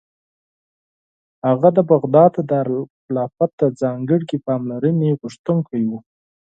هغه د بغداد د دارالخلافت د ځانګړې پاملرنې غوښتونکی و.